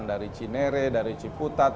dari cinere dari ciputat